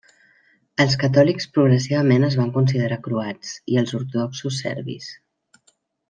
Els catòlics progressivament es van considerar croats i els ortodoxos serbis.